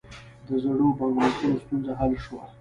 د زړو بانکنوټونو ستونزه حل شوه؟